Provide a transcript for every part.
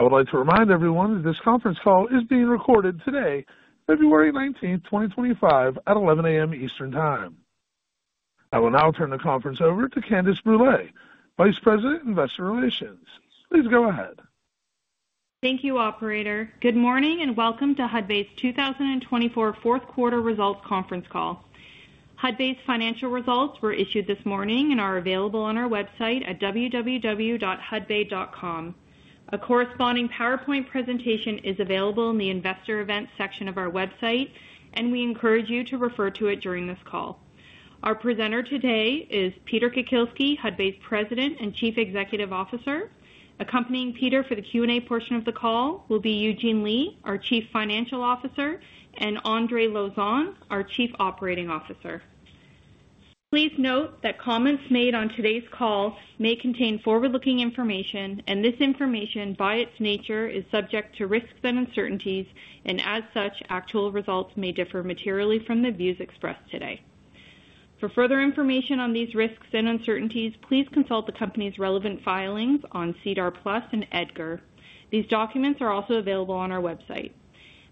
I would like to remind everyone that this conference call is being recorded today, February 19, 2025 at 11:00 A.M. Eastern Time. I will now turn the conference over to Candace Brûlé, Vice President, Investor Relations. Please go ahead. Thank you. Operator, good morning and welcome to Hudbay's 2024 fourth quarter results conference call. Hudbay's financial results were issued this morning and are available on our website at www.hudbay.com. A corresponding PowerPoint presentation is available in the Investor Events section of our website and we encourage you to refer to it during this call. Our presenter today is Peter Kukielski, Hudbay's President and Chief Executive Officer. Accompanying Peter for the Q&A portion of the call will be Eugene Lee, our Chief Financial Officer, and Andre Lauzon, our Chief Operating Officer. Please note that comments made on today's call may contain forward-looking information and this information by its nature is subject to risks and uncertainties and as such actual results may differ materially from the views expressed today. For further information on these risks and uncertainties, please consult the Company's relevant filings on SEDAR+ and EDGAR. These documents are also available on our website.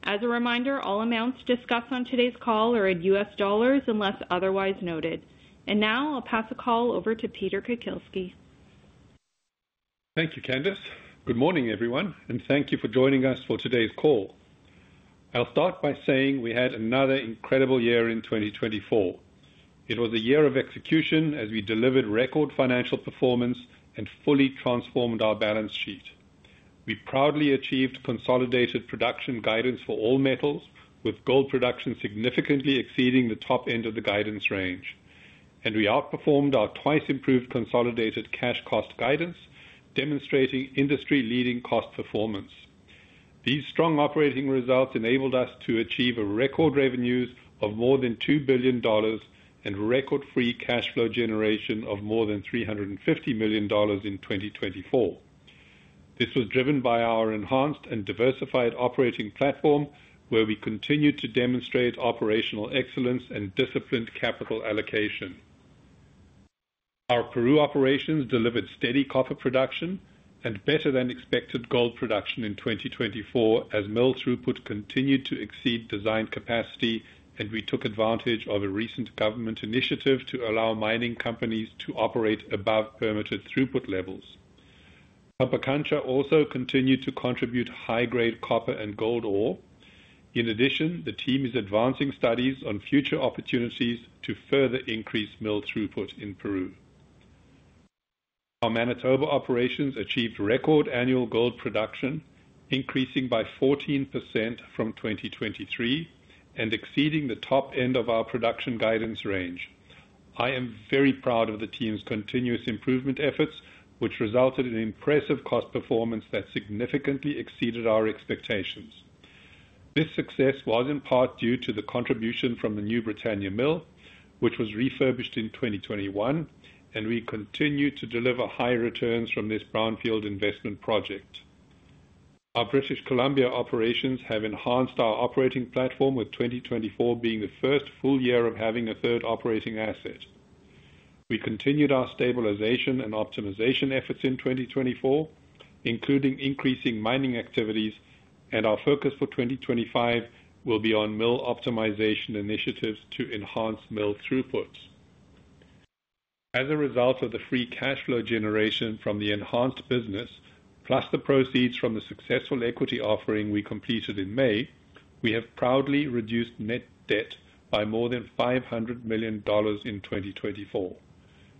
As a reminder, all amounts discussed on today's call are in U.S. dollars unless otherwise noted. And now I'll pass the call over to Peter Kukielski. Thank you, Candace. Good morning, everyone, and thank you for joining us for today's call. I'll start by saying we had another incredible year in 2024. It was a year of execution as we delivered record financial performance and fully transformed our balance sheet. We proudly achieved consolidated production guidance for all metals with gold production significantly exceeding the top end of the guidance range and we outperformed our twice improved consolidated cash cost guidance demonstrating industry leading cost performance. These strong operating results enabled us to achieve record revenues of more than $2 billion and record free cash flow generation of more than $350 million in 2024. This was driven by our enhanced and diversified operating platform where we continue to demonstrate operational excellence and disciplined capital allocation. Our Peru operations delivered steady copper production and better than expected gold production in 2024 as mill throughput continued to exceed design capacity and we took advantage of a recent government initiative to allow mining companies to operate above permitted throughput levels. Pampacancha also continued to contribute high grade copper and gold ore. In addition, the team is advancing studies on future opportunities to further increase mill throughput in Peru. Our Manitoba operations achieved record annual gold production increasing by 14% from 2023 and exceeding the top end of our production guidance range. I am very proud of the team's continuous improvement efforts which resulted in impressive cost performance that significantly exceeded our expectations. This success was in part due to the contribution from the New Britannia mill which was refurbished in 2021 and we continue to deliver high returns from this brownfield investment project. Our British Columbia operations have enhanced our operating platform with 2024 being the first full year of having a third operating asset. We continued our stabilization and optimization efforts in 2024 including increasing mining activities, and our focus for 2025 will be on mill optimization initiatives to enhance mill throughput. As a result of the free cash flow generation from the enhanced business plus the proceeds from the successful equity offering we completed in May, we have proudly reduced net debt by more than $500 million in 2024.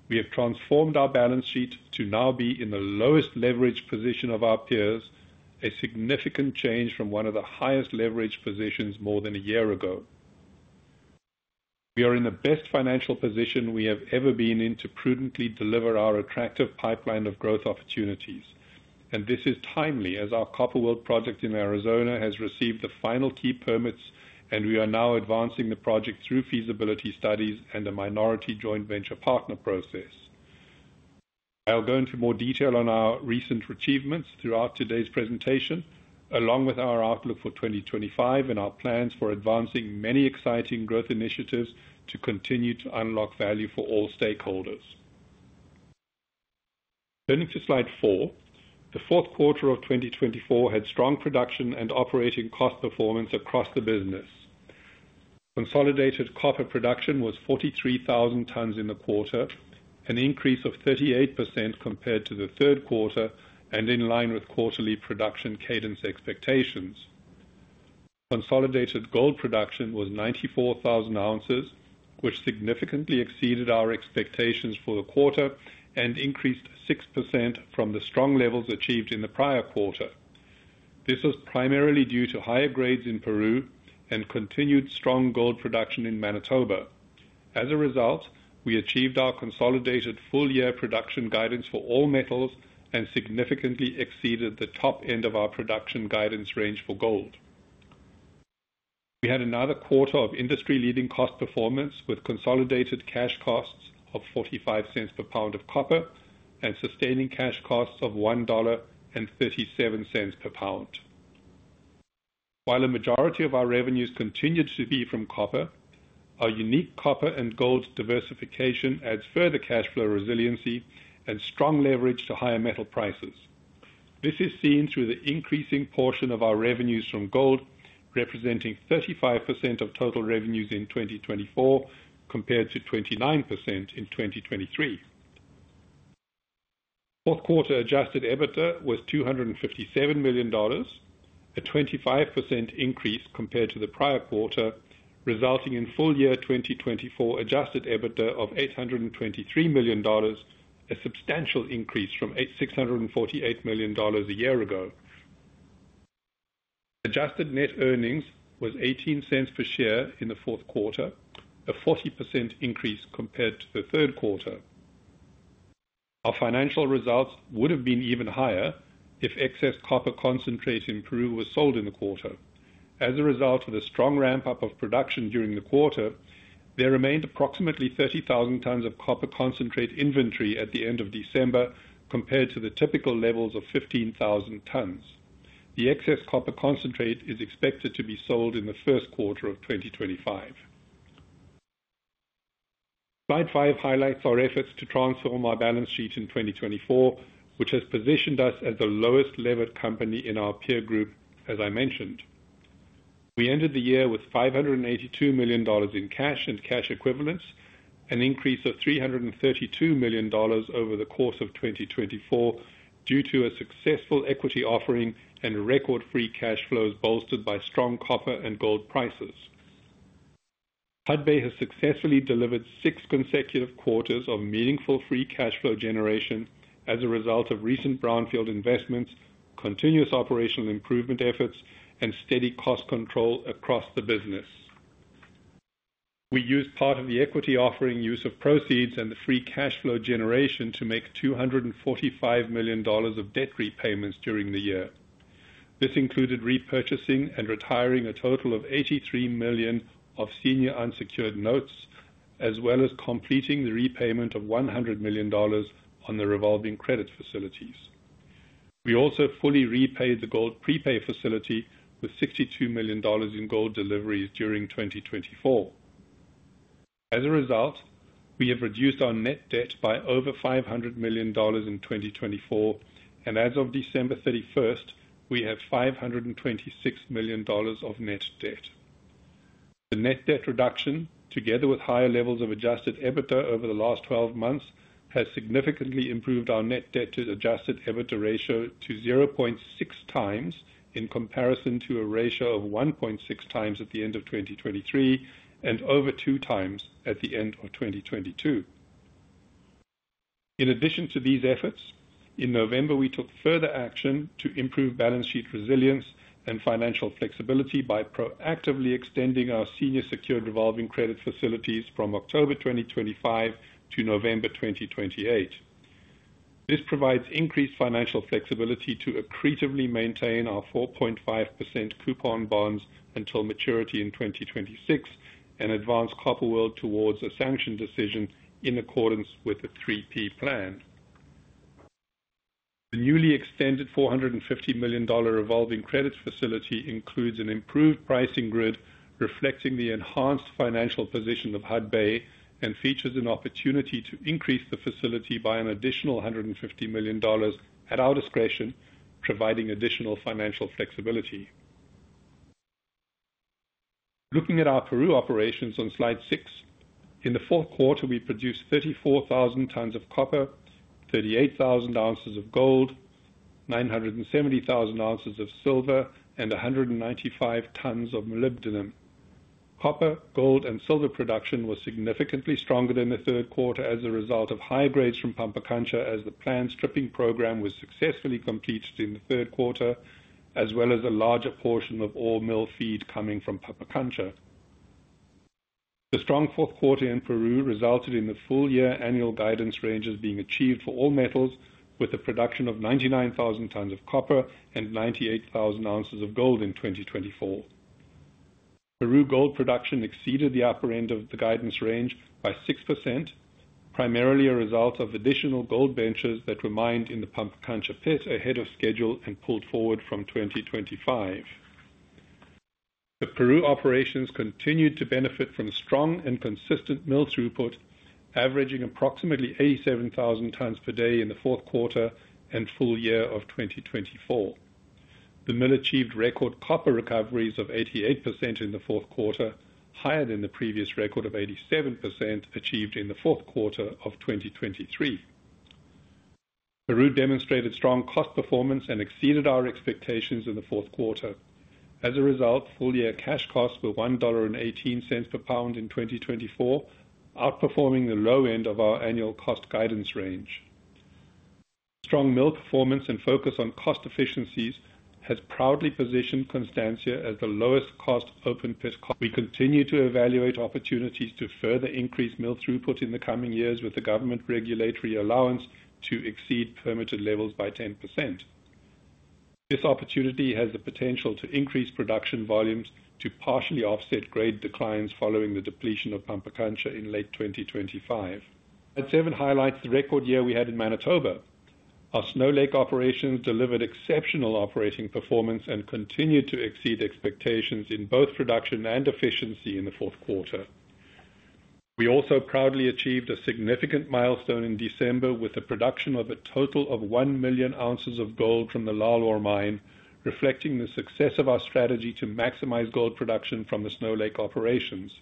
We have transformed our balance sheet to now be in the lowest leverage position of our peers, a significant change from one of the highest leveraged positions more than a year ago. We are in the best financial position we have ever been in to prudently deliver our attractive pipeline of growth opportunities and this is timely as our Copper World project in Arizona has received the final key permits and we are now advancing the project through feasibility studies and a minority joint venture partner process. I'll go into more detail on our recent achievements throughout today's presentation, along with our outlook for 2025 and our plans for advancing many exciting growth initiatives to continue to unlock value for all stakeholders. Turning to Slide 4, the fourth quarter of 2024 had strong production and operating cost performance across the business. Consolidated copper production was 43,000 tonnes in the quarter, an increase of 38% compared to the third quarter and in line with quarterly production cadence expectations. Consolidated gold production was 94,000 ounces, which significantly exceeded our expectations for the quarter and increased 6% from the strong levels achieved in the prior quarter. This was primarily due to higher grades in Peru and continued strong gold production in Manitoba. As a result, we achieved our consolidated full year production guidance for all metals and significantly exceeded the top end of our production guidance range for gold. We had another quarter of industry-leading cost performance with consolidated cash costs of $0.45 per pound of copper and sustaining cash costs of $1.37 per pound While a majority of our revenues continue to be from copper, our unique copper and gold diversification adds further cash flow, resiliency and strong leverage to higher metal prices. This is seen through the increasing portion of our revenues from gold representing 35% of total revenues in 2024 compared to 29% in 2023. Fourth quarter adjusted EBITDA was $257 million, a 25% increase compared to the prior quarter, resulting in full year 2024 adjusted EBITDA of $823 million, a substantial increase from $648 million a year ago. Adjusted net earnings was $0.18 per share in the fourth quarter, a 40% increase compared to the third quarter. Our financial results would have been even higher if excess copper concentrate in Peru was sold in the quarter. As a result of the strong ramp up of production during the quarter, there remained approximately 30,000 tons of copper concentrate inventory at the end of December compared to the typical levels of 15,000 tons. The excess copper concentrate is expected to be sold in the first quarter of 2025. Slide 5 highlights our efforts to transform our balance sheet in 2024, which has positioned us as the lowest levered company in our peer group. As I mentioned, we ended the year with $582 million in cash and cash equivalents, an increase of $332 million over the course of 2024 due to a successful equity offering and record free cash flows bolstered by strong copper and gold prices. Hudbay has successfully delivered six consecutive quarters of meaningful free cash flow generation as a result of recent brownfield investments, continuous operational improvement efforts and steady cost control across the business. We used part of the equity offering, use of proceeds and the free cash flow generation to make $245 million of debt repayments during the year. This included repurchasing and retiring a total of $83 million of senior unsecured notes and as well as completing the repayment of $100 million on the revolving credit facilities. We also fully repaid the gold prepay facility with $62 million in gold deliveries during 2024. As a result, we have reduced our net debt by over $500 million in 2024 and as of December 31st we have $526 million of net debt. The net debt reduction together with higher levels of adjusted EBITDA over the last 12 months has significantly improved our net debt to adjusted EBITDA ratio to 0.6 times in comparison to a ratio of 1.6 times at the end of 2023 and over 2 times at the end of 2022. In addition to these efforts in November we took further action to improve balance sheet resilience and financial flexibility by proactively extending our senior secured revolving credit facilities from October 2025 to November 2028. This provides increased financial flexibility to accretively maintain our 4.5% coupon bonds until maturity in 2026 and advance Copper World towards a sanction decision in accordance with the 3-P plan. The newly extended $450 million revolving credit facility includes an improved pricing grid reflecting the enhanced financial position of Hudbay and features an opportunity to increase the facility by an additional $150 million at our discretion, providing additional financial flexibility. Looking at our Peru operations on Slide 6. In the fourth quarter we produced 34,000 tonnes of copper, 38,000 ounces of gold, 970,000 ounces of silver and 195 tonnes of molybdenum. Copper, gold and silver production was significantly stronger than the third quarter as a result of high grades from Pampacancha as the planned stripping program was successfully completed in the third quarter as well as a larger portion of all mill feed coming from Pampacancha. The strong fourth quarter in Peru resulted in the full year annual guidance ranges being achieved for all metals with the production of 99,000 tonnes of copper and 98,000 ounces of gold in 2024. Peru gold production exceeded the upper end of the guidance range by 6%, primarily a result of additional gold benches that were mined in the Pampacancha pit ahead of schedule and pulled forward from 2025. The Peru operations continued to benefit from strong and consistent mill throughput averaging approximately 87,000 tonnes per day in the fourth quarter and full year of 2024. The mill achieved record copper recoveries of 88% in the fourth quarter, higher than the previous record of 87% achieved in the fourth quarter of 2023. Peru demonstrated strong cost performance and exceeded our expectations in the fourth quarter. As a result, full year cash costs were $1.18 per pound in 2024, outperforming the low end of our annual cost guidance range. Strong mill performance and focus on cost efficiencies has proudly positioned Constancia as the lowest cost open pit. We continue to evaluate opportunities to further increase mill throughput in the coming years with the government regulatory allowance to exceed permitted levels by 10%. This opportunity has the potential to increase production volumes to partially offset grade declines following the depletion of Pampacancha in late 2025. Slide 7 highlights the record year we had in Manitoba. Our Snow Lake operations delivered exceptional operating performance and continued to exceed expectations in both production and efficiency in the fourth quarter. We also proudly achieved a significant milestone in December with the production of a total of 1 million ounces of gold from the Lalor mine, reflecting the success of our strategy to maximize gold production from the Snow Lake operations.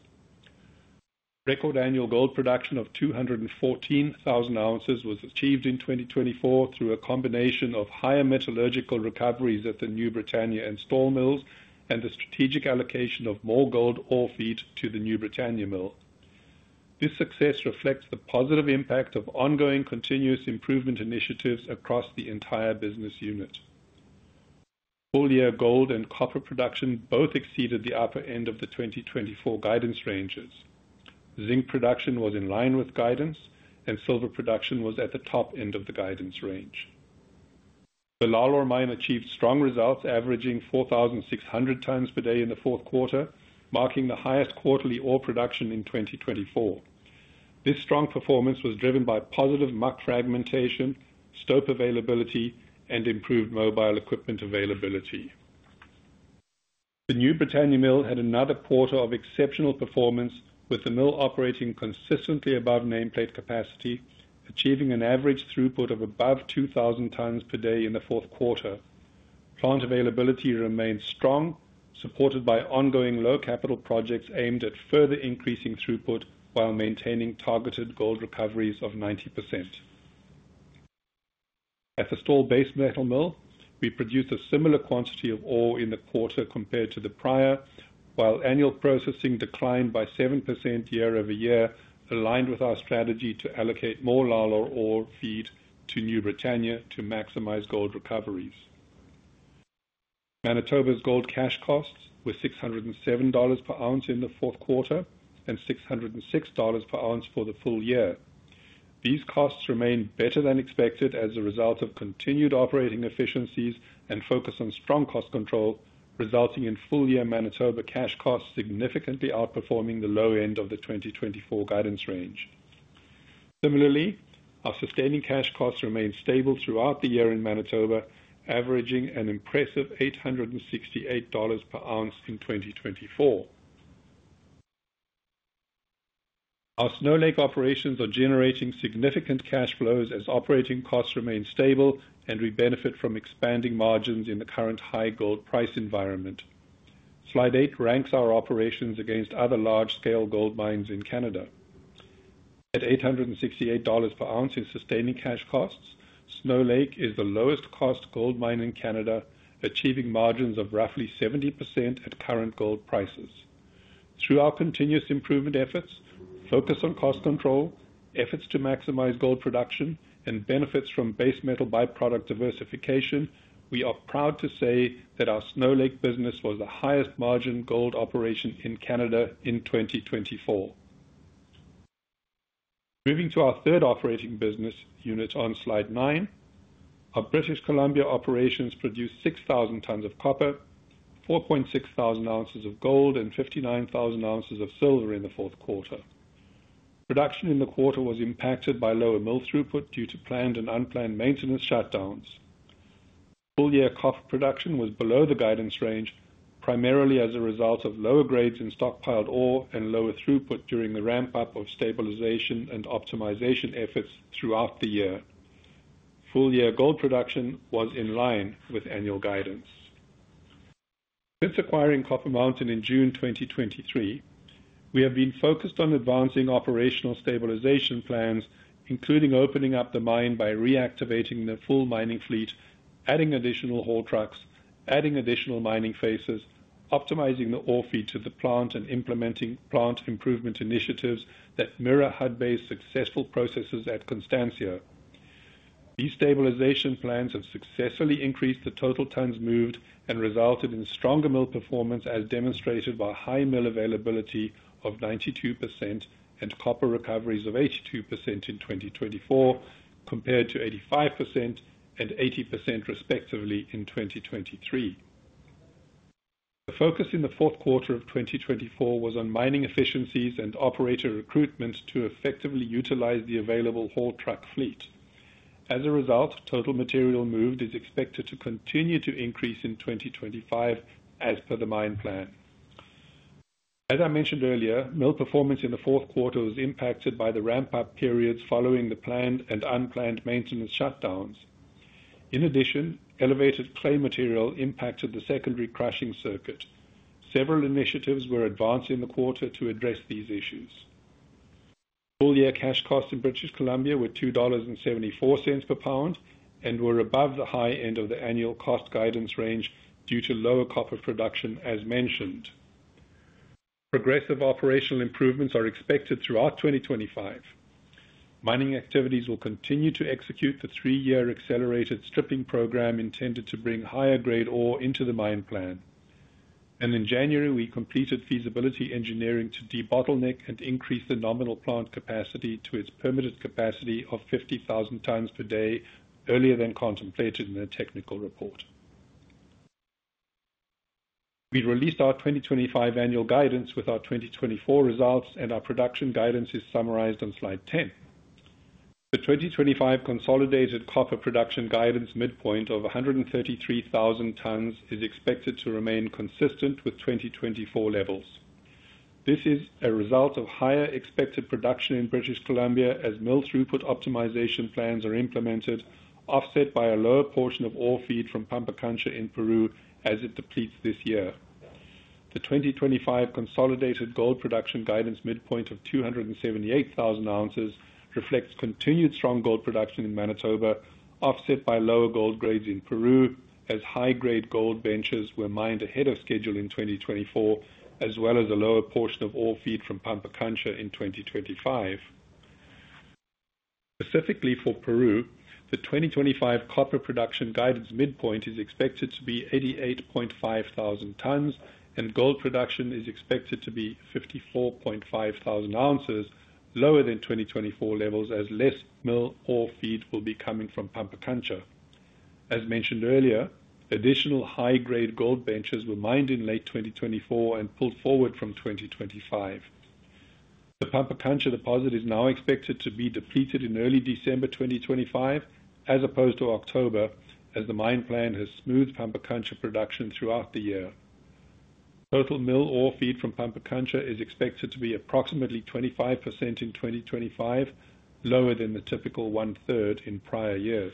Record annual gold production of 214,000 ounces was achieved in 2024 through a combination of higher metallurgical recoveries at the New Britannia and Stall mills and the strategic allocation of more gold ore feed to the New Britannia mill. This success reflects the positive impact of ongoing continuous improvement initiatives across the entire business unit. Full year gold and copper production both exceeded the upper end of the 2024 guidance ranges. Zinc production was in line with guidance and silver production was at the top end of the guidance range. The Lalor mine achieved strong results averaging 4,600 tons per day in the fourth quarter, marking the highest quarterly ore production in 2024. This strong performance was driven by positive muck fragmentation, stope availability and improved mobile equipment availability. The New Britannia mill had another quarter of exceptional performance with the mill operating consistently above nameplate capacity, achieving an average throughput of above 2000 tonnes per day in the fourth quarter. Plant availability remained strong, supported by ongoing low capital projects aimed at further increasing throughput while maintaining targeted gold recoveries of 90%. At the Stall base metal mill, we produced a similar quantity of ore in the quarter compared to the prior, while annual processing declined by 7% year over year. Aligned with our strategy to allocate more Lalor ore feed to New Britannia to maximize gold recoveries. Manitoba's gold cash costs were $607 per ounce in the fourth quarter and $606 per ounce for the full year. These costs remain better than expected as a result of continued operating efficiencies and focus on strong cost control, resulting in full year Manitoba cash costs significantly outperforming the low end of the 2024 guidance range. Similarly, our sustaining cash costs remain stable throughout the year in Manitoba, averaging an impressive $868 per ounce in 2024. Our Snow Lake operations are generating significant cash flows as operating costs remain stable and we benefit from expanding margins in the current high gold price environment. Slide 8 ranks our operations against other large scale gold mines in Canada at $868 per ounce in sustaining cash costs. Snow Lake is the lowest cost gold mine in Canada, achieving margins of roughly 70% at current gold prices through our continuous improvement efforts, focus on cost control efforts to maximize gold production and benefits from base metal byproduct diversification. We are proud to say that our Snow Lake business was the highest margin gold operation in Canada in 2024. Moving to our third operating business unit on slide nine, our British Columbia operations produced 6,000 tonnes of copper, 4.6 thousand ounces of gold and 59,000 ounces of silver. In the fourth quarter, production in the quarter was impacted by lower mill throughput due to planned and unplanned maintenance shutdowns. Full year copper production was below the guidance range primarily as a result of lower grades in stockpiled ore and lower throughput during the ramp up of stabilization and optimization efforts throughout the year. Full year gold production was in line with annual guidance. Since acquiring Copper Mountain in June 2023, we have been focused on advancing operational stabilization plans including opening up the mine by reactivating the full mining fleet, adding additional haul trucks, adding additional mining faces, optimizing the ore feed to the plant and implementing plant improvement initiatives that mirror Hudbay's successful processes at Constancia. Stabilization plans have successfully increased the total tonnes moved and resulted in stronger mill performance as demonstrated by high mill availability of 92% and copper recoveries of 82% in 2024 compared to 85% and 80% respectively in 2023. The focus in the fourth quarter of 2024 was on mining efficiencies and operator recruitment to effectively utilize the available haul truck fleet. As a result, total material moved is expected to continue to increase in 2025 as per the mine plan. As I mentioned earlier, mill performance in the fourth quarter was impacted by the ramp up periods following the planned and unplanned maintenance shutdowns. In addition, elevated clay material impacted the secondary crushing circuit. Several initiatives were advanced in the quarter to address these issues. Full-year cash costs in British Columbia were $2.74 per pound and were above the high end of the annual cost guidance range due to lower copper production. As mentioned, progressive operational improvements are expected throughout 2025. Mining activities will continue to execute the three-year accelerated stripping program intended to bring higher grade ore into the mine plan, and in January we completed feasibility engineering to debottleneck and increase the nominal plant capacity to its permitted capacity of 50,000 tons per day earlier than contemplated in the technical report. We released our 2025 annual guidance with our 2024 results and our production guidance is summarized on slide 10. The 2025 consolidated copper production guidance midpoint of 133,000 tonnes is expected to remain consistent with 2024 levels. This is a result of higher expected production in British Columbia as mill throughput optimization plans are implemented, offset by a lower portion of ore feed from Pampacancha in Peru as it depletes this year. The 2025 consolidated gold production guidance midpoint of 278,000 ounces reflects continued strong gold production in Manitoba offset by lower gold grades in Peru as high grade gold benches were mined ahead of schedule in 2024 as well as a lower portion of ore feed from Pampacancha in 2025. Specifically for Peru, the 2025 copper production guidance midpoint is expected to be 88.5 thousand tonnes and gold production is expected to be 54.5 thousand ounces lower than 2024 levels as less mill ore feed will be coming from Pampacancha. As mentioned earlier, additional high grade gold benches were mined in late 2024 and pulled forward from 2025. The Pampacancha deposit is now expected to be depleted in early December 2025 as opposed to October as the mine plan has smoothed Pampacancha production throughout the year. Total mill ore feed from Pampacancha is expected to be approximately 25% in 2025 lower than the typical 1/3 in prior years.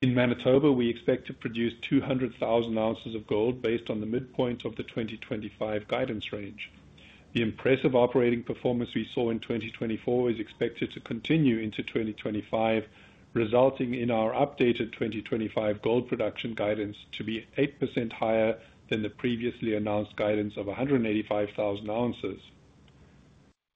In Manitoba we expect to produce 200,000 ounces of gold based on the midpoint of the 2025 guidance range. The impressive operating performance we saw in 2024 is expected to continue into 2025 resulting in our updated 2025 gold production guidance to be 8% higher than the previously announced guidance of 185,000 ounces.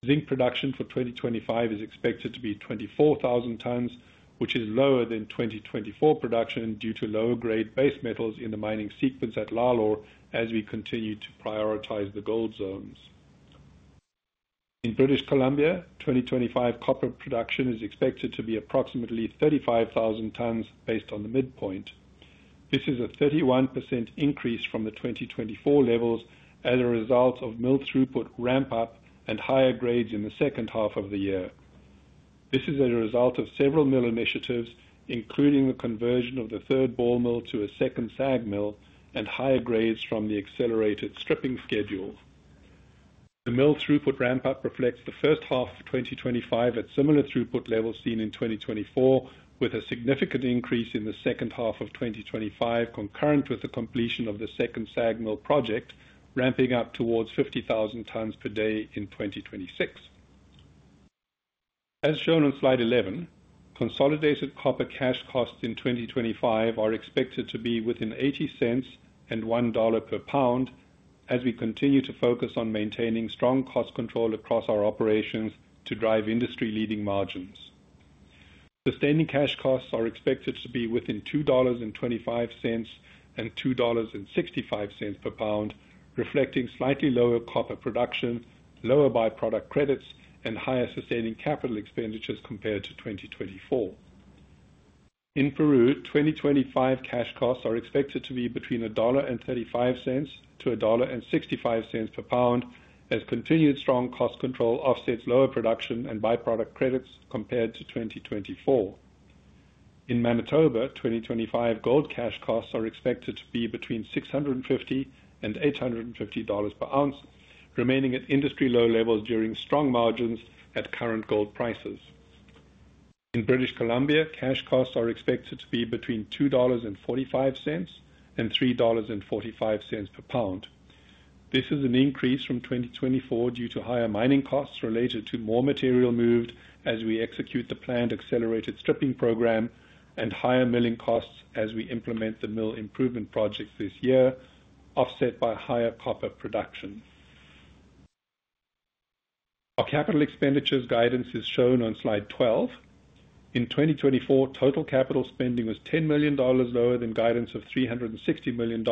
Zinc production for 2025 is expected to be 24,000 tonnes which is lower than 2024 production due to lower grade base metals in the mining sequence at Lalor. As we continue to prioritize the gold zones. In British Columbia, 2025 copper production is expected to be approximately 35,000 tonnes based on the midpoint. This is a 31% increase from the 2024 levels as a result of mill throughput ramp up and higher grades in the second half of the year. This is a result of several mill initiatives including the conversion of the third ball mill to a second SAG mill and higher grades from the accelerated stripping schedule. The mill throughput ramp up reflects the first half of 2025 at similar throughput levels seen in 2024 with a significant increase in the second half of 2025 concurrent with the completion of the second SAG mill project, ramping up towards 50,000 tonnes per day in 2026. As shown on slide 11. Consolidated copper cash costs in 2025 are expected to be within $0.80 to $1.00 per pound as we continue to focus on maintaining strong cost control across our operations to drive industry leading margins. Sustaining cash costs are expected to be within $2.25 to $2.65 per pound reflecting slightly lower copper production, lower byproduct credits and higher sustaining capital expenditures compared to 2024. In Peru, 2025 cash costs are expected to be between $1.35 to $1.65 per pound as continued, strong cost control offsets lower production and byproduct credits compared to 2024 in Manitoba. 2025 gold cash costs are expected to be between $650-$850 per ounce remaining at industry low levels during strong margins at current gold prices. In British Columbia, cash costs are expected to be between $2.45 to $3.45 per pound. This is an increase from 2024 due to higher mining costs related to more material moved as we execute the planned accelerated stripping program and higher milling costs as we implement the mill improvement projects this year, offset by higher copper production. Our capital expenditures guidance is shown on Slide 12. In 2024, total capital spending was $10 million lower than guidance of $360 million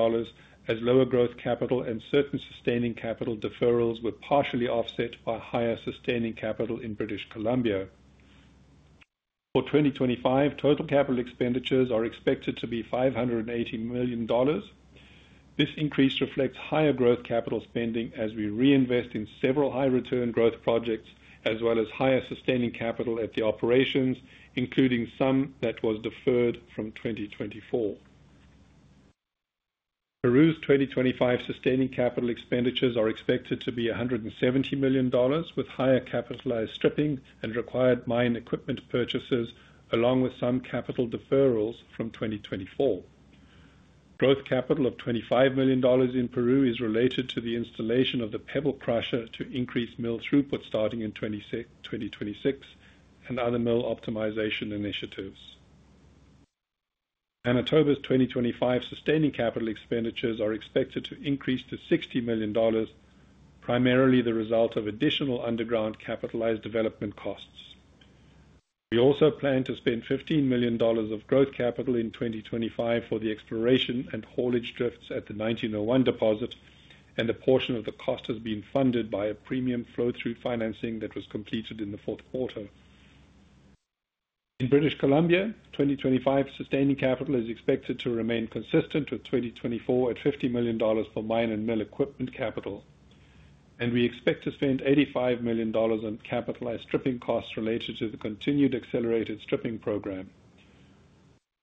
as lower growth capital and certain sustaining capital deferrals were partially offset by higher sustaining capital. In British Columbia for 2025, total capital expenditures are expected to be $580 million. This increase reflects higher growth capital spending as we reinvest in several high return growth projects as well as higher sustaining capital at the operations including some that was deferred from 2024. Peru's 2025 sustaining capital expenditures are expected to be $170 million with higher capitalized stripping and required mine equipment purchases along with some capital deferrals from 2024. Growth capital of $25 million in Peru is related to the installation of the pebble crusher to increase mill throughput starting in 2026 and other mill optimization initiatives. Manitoba's 2025 sustaining capital expenditures are expected to increase to $60 million, primarily the result of additional underground capitalized development costs. We also plan to spend $15 million of growth capital in 2025 for the exploration and haulage drifts at the 1901 deposit, and a portion of the cost has been funded by a premium flow-through financing that was completed in the fourth quarter. In British Columbia, 2025 sustaining capital is expected to remain consistent with 2024 at $50 million for mine and mill equipment capital and we expect to spend $85 million on capitalized stripping costs related to the continued accelerated stripping program.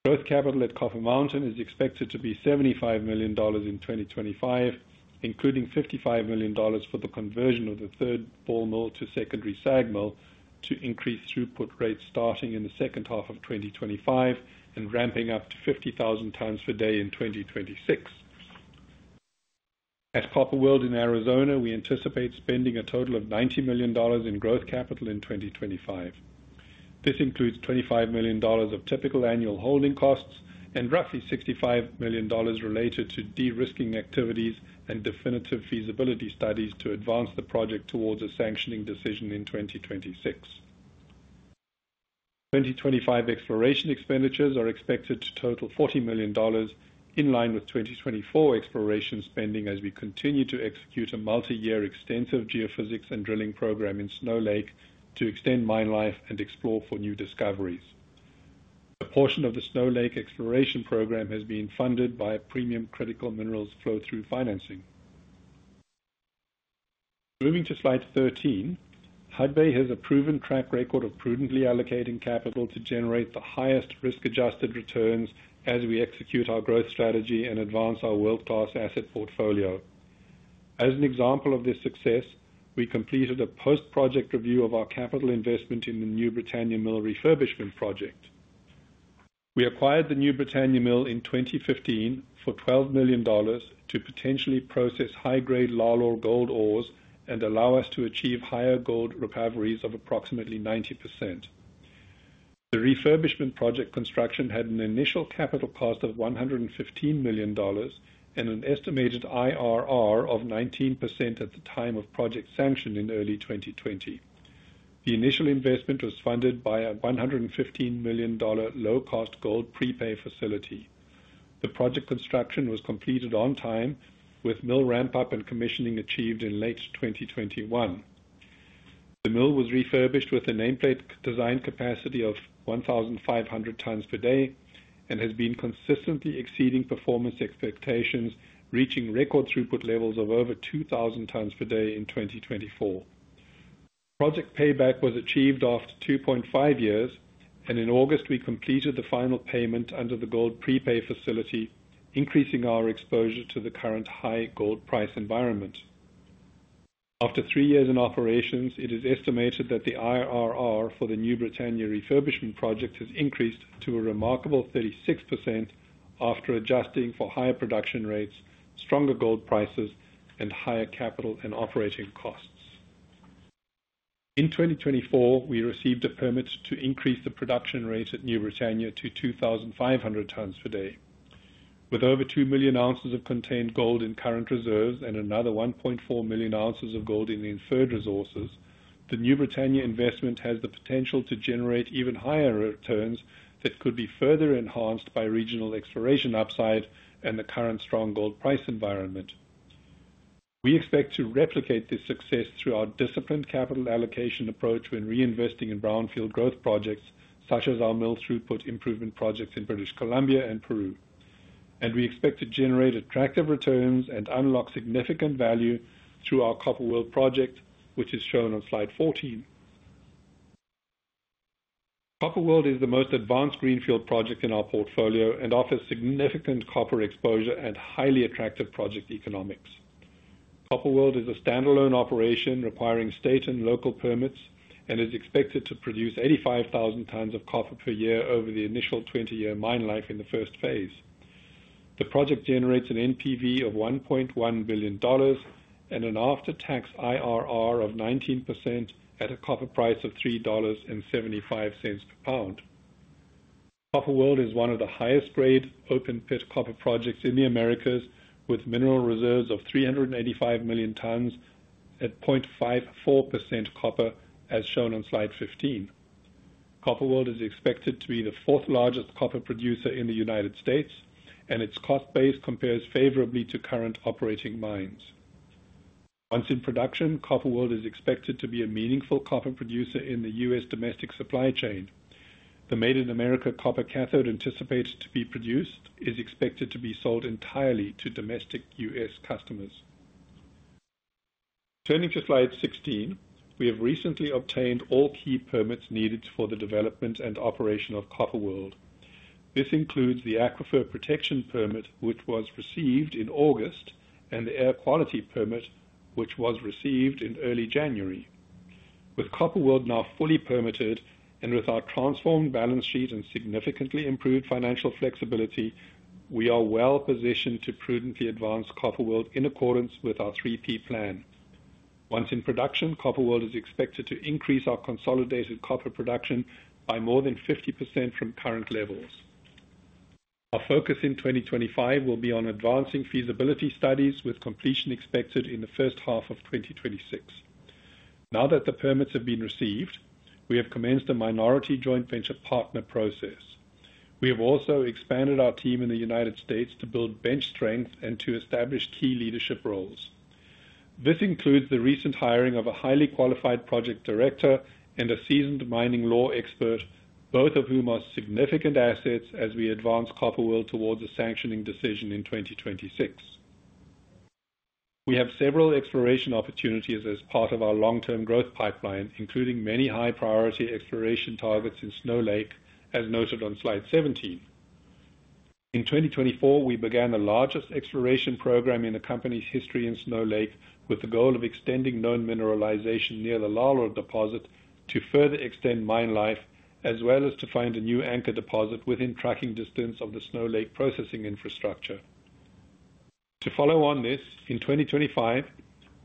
Growth capital at Copper Mountain is expected to be $75 million in 2025 including $55 million for the conversion of the third ball mill to secondary SAG mill to increase throughput rates starting in the second half of 2025 and ramping up to 50,000 tonnes per day in 2026. At Copper World in Arizona we anticipate spending a total of $90 million in growth capital in 2025. This includes $25 million of typical annual holding costs and roughly $65 million related to de-risking activities and definitive feasibility studies to advance the project towards a sanctioning decision in 2026. 2025 exploration expenditures are expected to total $40 million in line with 2024 exploration spending as we continue to execute a multi-year extensive geophysics and drilling program in Snow Lake to extend mine life and explore for new discoveries. A portion of the Snow Lake exploration program has been funded by Premium Critical Minerals flow-through financing. Moving to slide 13, Hudbay has a proven track record of prudently allocating capital to generate the highest risk-adjusted returns as we execute our growth strategy and advance our world-class asset portfolio. As an example of this success, we completed a post-project review of our capital investment in the New Britannia mill refurbishment project. We acquired the New Britannia mill in 2015 for $12 million to potentially process high-grade Lalor gold ores and allow us to achieve higher gold recoveries of approximately 90%. The refurbishment project construction had an initial capital cost of $115 million and an estimated IRR of 19% at the time of project sanction in early 2020. The initial investment was funded by a $115 million low-cost gold prepay facility. The project construction was completed on time with mill ramp-up and commissioning achieved in late 2021. The mill was refurbished with a nameplate design capacity of 1,500 tons per day and has been consistently exceeding performance expectations, reaching record throughput levels of over 2,000 tonnes per day in 2024. Project Payback was achieved after 2.5 years and in August we completed the final payment under the gold prepay facility increasing our exposure to the current high gold price environment. After three years in operations, it is estimated that the IRR for the New Britannia refurbishment project has increased to a remarkable 36% after adjusting for higher production rates, stronger gold prices and higher capital and operating costs. In 2024 we received a permit to increase the production rate at New Britannia to 2,500 tonnes per day. With over 2 million ounces of contained gold in current reserves and another 1.4 million ounces of gold in inferred resources, the New Britannia investment has the potential to generate even higher returns that could be further enhanced by regional exploration upside and the current strong gold price environment. We expect to replicate this success through our disciplined capital allocation approach when reinvesting in brownfield growth projects such as our mill throughput improvement projects in British Columbia and Peru. We expect to generate attractive returns and unlock significant value through our Copper World project which is shown on slide 14. Copper World is the most advanced greenfield project in our portfolio and offers significant copper exposure and highly attractive project economics. Copper World is a standalone operation requiring state and local permits and is expected to produce 85,000 tons of copper per year over the initial 20 year mine life. In the first phase, the project generates an NPV of $1.1 billion and an after tax IRR of 19%. At a copper price of $3.75 per pound, Copper World is one of the highest grade open pit copper projects in the Americas with mineral reserves of 385 million tons at 0.54% copper as shown on slide 15. Copper World is expected to be the fourth largest copper producer in the United States and its cost base compares favorably to current operating mines. Once in production, Copper World is expected to be a meaningful copper producer in the U.S. domestic supply chain. The Made in America copper cathode anticipated to be produced is expected to be sold entirely to domestic U.S. customers. Turning to slide 16, we have recently obtained all key permits needed for the development and operation of Copper World. This includes the aquifer protection permit which was received in August and the air quality permit which was received in early January. With Copper World now fully permitted and with our transformed balance sheet and significantly improved financial flexibility, we are well positioned to prudently advance Copper World in accordance with our 3-P plan. Once in production, Copper World is expected to increase our consolidated copper production by more than 50% from current levels. Our focus in 2025 will be on advancing feasibility studies with completion expected in the first half of 2026. Now that the permits have been received, we have commenced a minority joint venture partner process. We have also expanded our team in the United States to build bench strength and to establish key leadership roles. This includes the recent hiring of a highly qualified project director and a seasoned mining law expert, both of whom are significant assets. As we advance Copper World towards a sanctioning decision in 2026. We have several exploration opportunities as part of our long-term growth pipeline, including many high-priority exploration targets in Snow Lake. As noted on slide 17, in 2024 we began the largest exploration program in the company's history in Snow Lake with the goal of extending known mineralization near the Lalor deposit to further extend mine life as well as to find a new anchor deposit within trucking distance of the Snow Lake processing infrastructure. To follow on this in 2025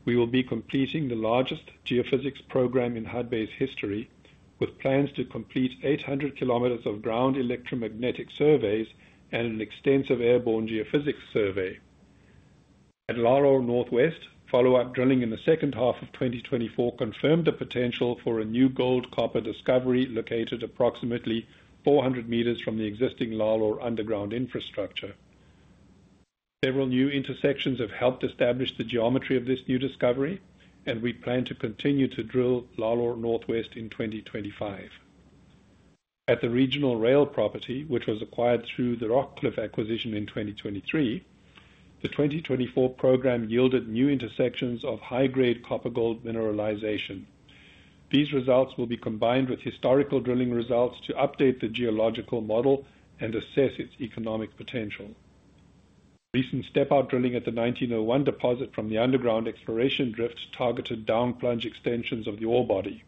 we will be completing the largest geophysics program in Hudbay's history with plans to complete 800 km of ground electromagnetic surveys and an extensive airborne geophysics survey at Lalor Northwest. Follow-up drilling in the second half of 2024 confirmed the potential for a new gold-copper discovery located approximately 400 meters from the existing Lalor underground infrastructure. Several new intersections have helped establish the geometry of this new discovery and we plan to continue to drill Lalor Northwest in 2025 at the regional Rail property which was acquired through the Rockcliff acquisition in 2023. The 2024 program yielded new intersections of high grade copper gold mineralization. These results will be combined with historical drilling results to update the geological model and assess its economic potential. Recent step out drilling at the 1901 deposit from the underground exploration drift targeted down plunge extensions of the ore body.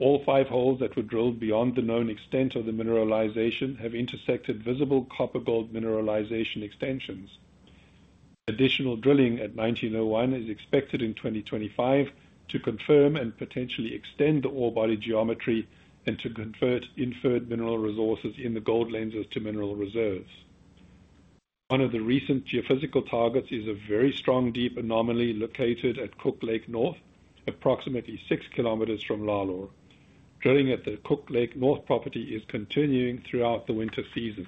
All five holes that were drilled beyond the known extent of the mineralization have intersected visible copper gold mineralization extensions. Additional drilling at 1901 is expected in 2025 to confirm and potentially extend the ore body geometry and to convert inferred mineral resources in the gold lenses to mineral reserves. One of the recent geophysical targets is a very strong deep anomaly located at Cook Lake North approximately 6 km from Lalor. Drilling at the Cook Lake North property is continuing throughout the winter season.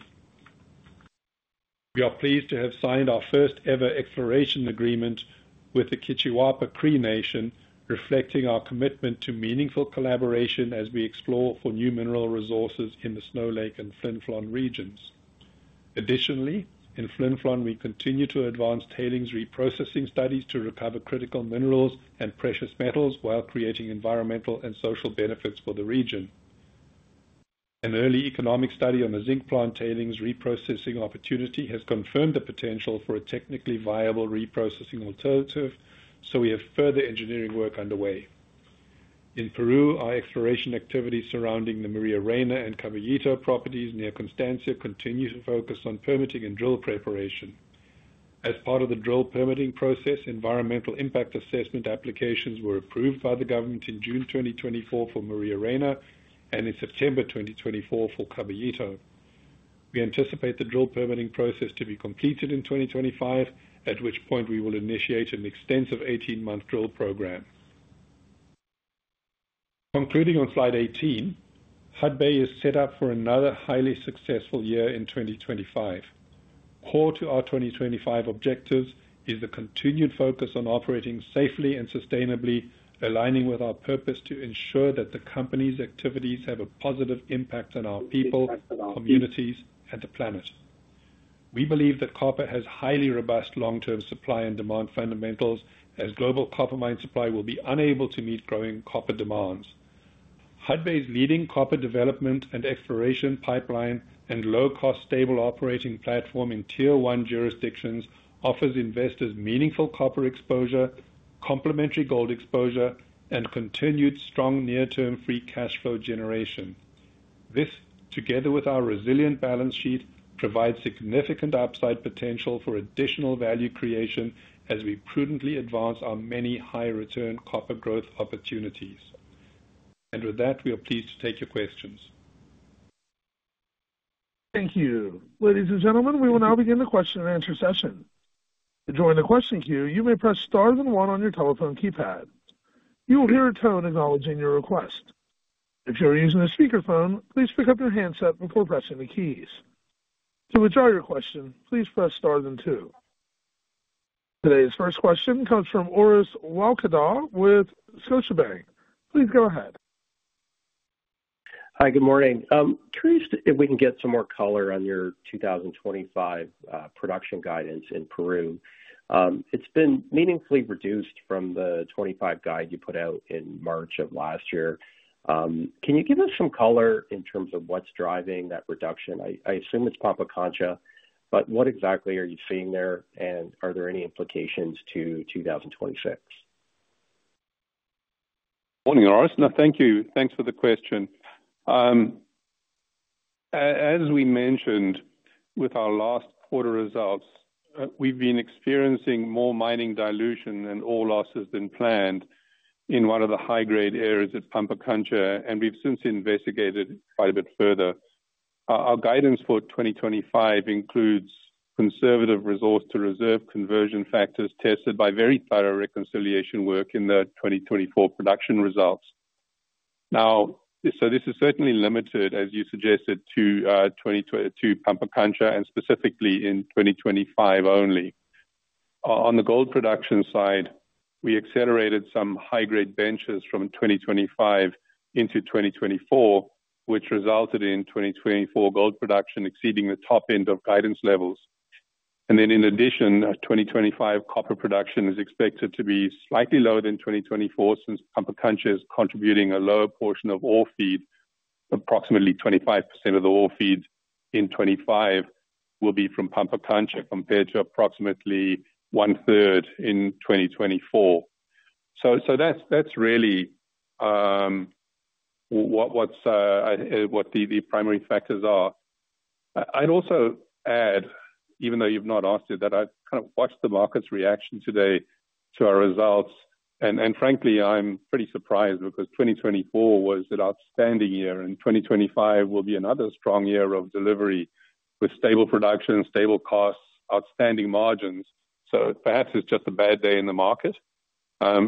We are pleased to have signed our first ever exploration agreement with the Kiciwapa Cree Nation, reflecting our commitment to meaningful collaboration as we explore for new mineral resources in the Snow Lake and Flin Flon regions. Additionally, in Flin Flon we continue to advance tailings reprocessing studies to recover critical minerals and precious metals while creating environmental and social benefits for the region. An early economic study on the zinc plant tailings reprocessing opportunity has confirmed the potential for a technically viable reprocessing alternative, so we have further engineering work underway in Peru. Our exploration activities surrounding the Maria Reyna and Caballito properties near Constancia continue to focus on permitting and drill preparation as part of the drill permitting process. Environmental impact assessment applications were approved by the government in June 2024 for Maria Reyna and in September 2024 for Caballito. We anticipate the drill permitting process to be completed in 2025, at which point we will initiate an extensive 18-month drill program. Concluding on slide 18, Hudbay is set up for another highly successful year in 2025. Core to our 2025 objectives is the continued focus on operating safely and sustainably, aligning with our purpose to ensure that the company's activities have a positive impact on our people, communities and the planet. We believe that copper has highly robust long term supply and demand fundamentals as global copper mine supply will be unable to meet growing copper demands. Hudbay's leading copper development and exploration pipeline and low cost stable operating platform in Tier 1 jurisdictions are offers investors meaningful copper exposure, complementary gold exposure and continued strong near term free cash flow generation. This together with our resilient balance sheet provides significant upside potential for additional value creation as we prudently advance our many high return copper growth opportunities, and with that we are pleased to take your questions. Thank you ladies and gentlemen. We will now begin the question and answer session. To join the question queue you may press star and 1. On your telephone keypad you will hear a tone acknowledging your request. If you are using a speakerphone, please pick up your handset before pressing the keys. To withdraw your question, please press star then two. Today's first question comes from Orest Wowkodaw with Scotiabank. Please go ahead. Hi, good morning. Curious if we can get some more? Color on your 2025 production guidance in Peru. It's been meaningfully reduced from the 25 guide you put out in March of last year. Can you give us some color in terms of what's driving that reduction? I assume it's Pampacancha, but what exactly are you seeing there and are there any implications to 2026? Morning, Orest. No, thank you. Thanks for the question. As we mentioned with our last quarter results, we've been experiencing more mining dilution and ore losses than planned in one of the high grade areas at Pampacancha and we've since investigated quite a bit further. Our guidance for 2025 includes conservative resource to reserve conversion factors tested by very thorough reconciliation work in the 2024 results. Now, so this is certainly limited as you suggested, to 2022 Pampacancha and specifically in 2025 only on the gold production side, we accelerated some high grade benches from 2025 into 2024 which resulted in 2024 gold production exceeding the top end of guidance levels, and then in addition 2025 copper production is expected to be slightly lower than 2024. Since Pampacancha is contributing ore feed, approximately 25% of the ore feed in 2025 will be from Pampacancha compared to approximately one-third in 2024. That's really. What the primary factors are. I'd also add, even though you've not asked it, that I kind of watched the market's reaction today to our results and frankly I'm pretty surprised because 2024 was an outstanding year and 2025 will be another strong year of delivery with stable production, stable costs, outstanding margins. So perhaps it's just a bad day in the market. But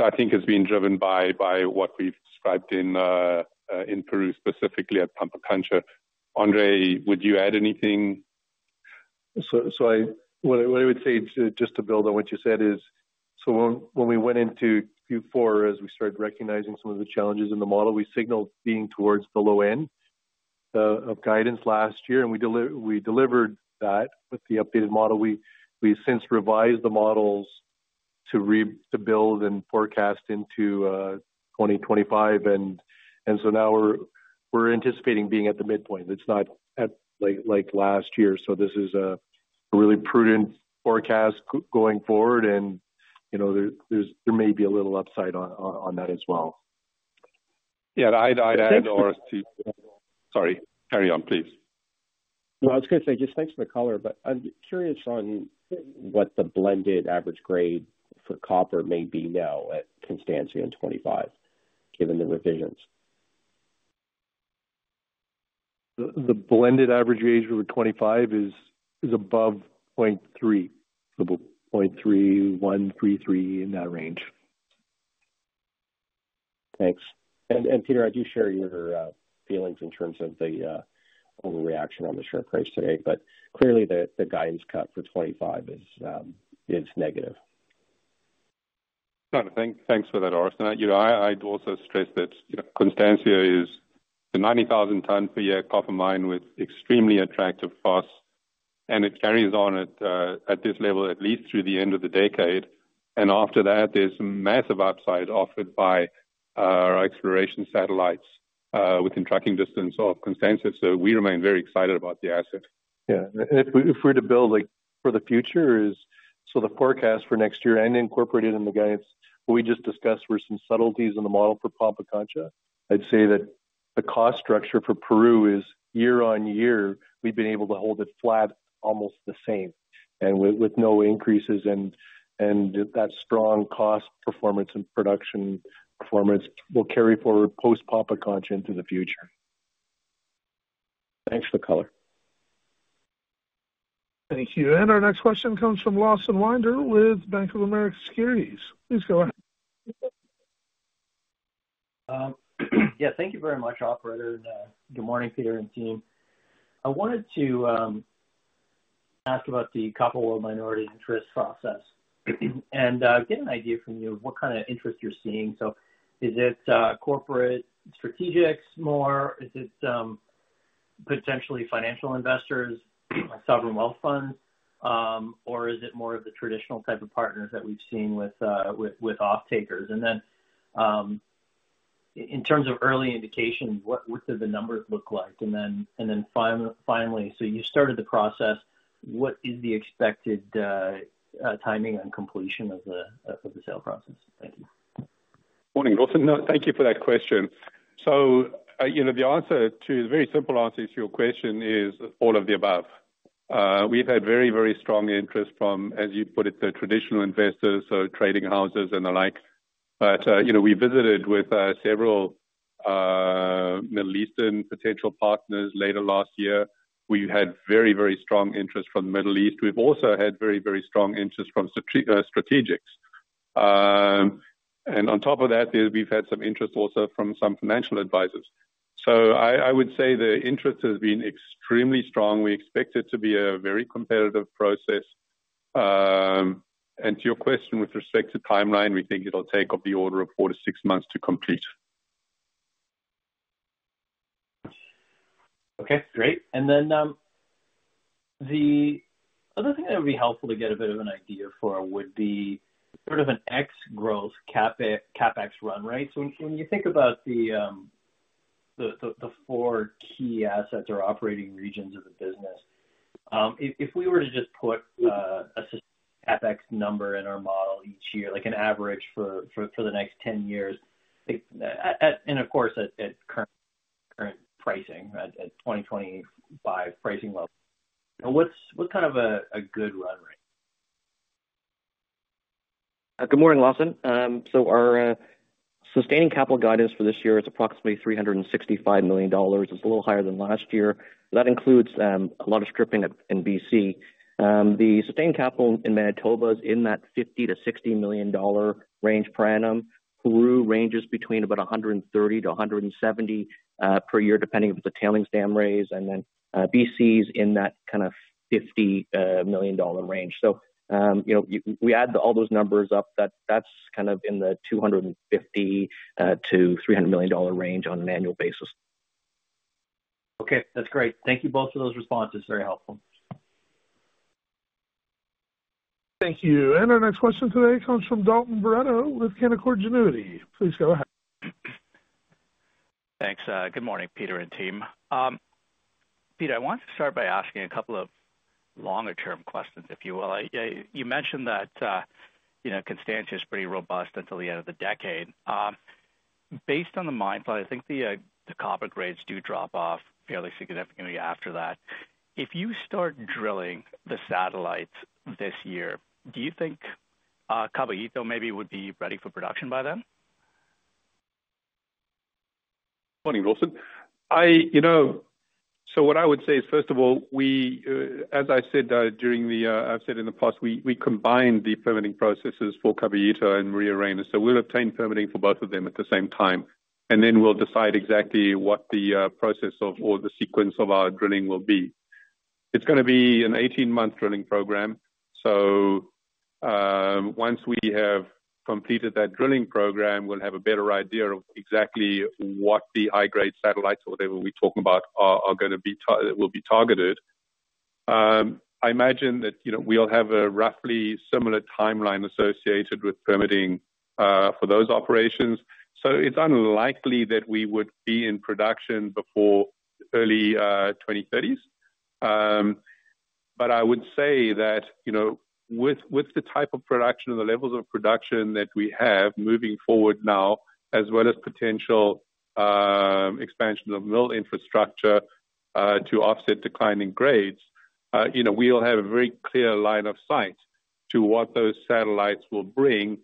I think it's been driven by what we've described in Peru, specifically at Pampacancha. Andre, would you add anything? So what I would say just to build on what you said is. So when we went into Q4, as we started recognizing some of the challenges in the model, we signaled being towards the low end of guidance last year and we delivered that with the updated model. We since revised the models to build and forecast into 2025. And so now we're anticipating being at the midpoint. It's not like last year. So this is a really prudent forecast going forward. And you know, there may be a little upside on that as well. Yeah, I'd add or. Sorry, carry on please. I was going to say just. Thanks for the color, but I'm curious. On what the blended average grade for copper may be now at Constancia in 2025, given the revisions? The blended average grade over 25 is above 0.3133 in that range. Thanks. Peter, I do share your feelings. In terms of the overreaction on the share price today, but clearly the guidance cut for 2025 is negative. Thanks for that, Orest. I'd also stress that Constancia is the 90,000 ton per year copper mine with extremely attractive costs and it carries on at this level at least through the end of the decade. And after that there's massive upside offered by our exploration satellites within trucking distance of Constancia. So we remain very excited about the asset. if we were to build for the future is. The forecast for next year and incorporated in the guidance we just discussed were some subtleties in the model for Pampacancha. I'd say that the cost structure for Peru is year on year. We've been able to hold it flat almost the same and with no increases. That strong cost performance and production performance will carry forward post Pampacancha into the future. Thanks for the color. Thank you. And our next question comes from Lawson Winder with Bank of America Securities. Please go ahead. Yeah, thank you very much, operator. Good morning, Peter and team. I wanted to. Ask about the Copper World minority interest process and get an idea from you what kind of interest you're seeing. Is it corporate strategics more, is it potentially financial investors, sovereign wealth funds, or is it more of the traditional type of partners that we've seen with off-takers? And then. In terms of early indications, what do the numbers look like? And then finally, so you started the process, what is the expected timing and completion of the sale process? Thank you. Morning, Lawson. Thank you for that question. So, you know, the very simple answer to your question is all of the above. We've had very, very strong interest from, as you put it, the traditional investors, so trading houses and the like. But you know, we visited with several. Middle Eastern potential partners later last year. We had very, very strong interest from the Middle East. We've also had very, very strong interest from strategics. On top of that we've had some interest also from some financial advisors. I would say the interest has been extremely strong. We expect it to be a very competitive process. To your question with respect to timeline, we think it'll take of the order of four to six months to complete. Okay, great. And then the other thing that would be helpful to get a bit of an idea for would be sort of an ex-growth CapEx run rate. When you think about the. Four. Key assets or operating regions of the business, if we were to just put a FX number in our model each year like an average for the next 10 years and of course at current pricing at 2025 pricing level, what's kind of a good run rate? Good morning, Lawson. So our sustaining capital guidance for this year is approximately $365 million. It's a little higher than last year. That includes a lot of stripping in BC. The sustained capital in Manitoba is in that $50 to $60 million range per annum. Peru ranges between about $130 to $170 million per year depending if it's a tailings dam raise and then BC's in that kind of $50 million range. So you know, we add all those numbers up that that's kind of in the $250 to $300 million range on an annual basis. Okay, that's great. Thank you both for those responses. Very helpful. Thank you. Our next question today comes from Dalton Barreto with Canaccord Genuity. Please go ahead. Thanks. Good morning, Peter and team. Peter, I want to start by asking a couple of longer-term questions, if you will. You mentioned that, you know, Constancia is pretty robust until the end of the decade, based on the mine life. I think the copper grades do drop off fairly significantly after that. If you start drilling the satellites this year, do you think Caballito maybe would be ready for production by then? Morning, Lawson. You know, so what I would say is first of all we, as. I said during the, I've said in the past, we combined the permitting processes for Caballito and Maria Reyna. So we'll obtain permitting for both of them at the same time and then we'll decide exactly what the process of or the sequence of our drilling will be. It's going to be an 18-month drilling program. So once we have completed that drilling program, we'll have a better idea of exactly what the high grade satellites or they will be talking about are going to be, will be targeted. I imagine that, you know, we'll have a roughly similar timeline associated with permitting for those operations. So it's unlikely that we would be in production before early 2030s. But I would say that, you know. With the type of production and. The levels of production that we have moving forward now, as well as potential expansion of mill infrastructure to offset declining grades, you know, we will have a very clear line of sight to what those satellites will bring